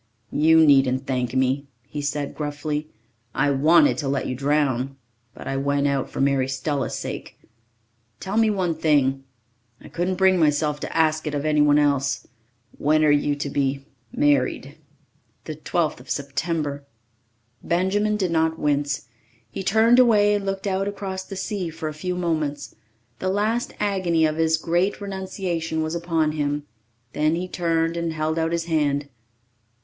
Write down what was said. "You needn't thank me," he said gruffly. "I wanted to let you drown. But I went out for Mary Stella's sake. Tell me one thing I couldn't bring myself to ask it of anyone else. When are you to be married?" "The 12th of September." Benjamin did not wince. He turned away and looked out across the sea for a few moments. The last agony of his great renunciation was upon him. Then he turned and held out his hand.